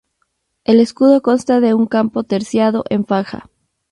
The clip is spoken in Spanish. El escudo consta de un campo terciado en faja.